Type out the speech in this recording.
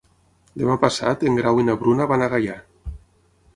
Demà passat en Grau i na Bruna van a Gaià.